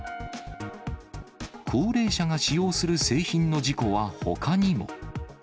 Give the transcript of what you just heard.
高齢者が使用する製品の事故はほかにも。